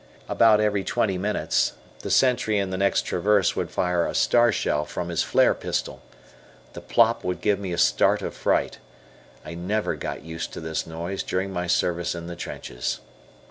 About every twenty minutes the sentry in the next traverse would fire a star shell from his flare pistol. The "plop" would give me a start of fright. I never got used to this noise during my service in the trenches.